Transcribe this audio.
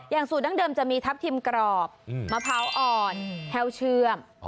สูตรดั้งเดิมจะมีทับทิมกรอบมะพร้าวอ่อนแห้วเชื่อม